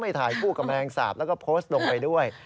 ถ่ายคู่กำแพงสาปแล้วก็โพสต์ลงไปด้วย